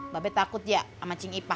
be takut ya sama cing ipa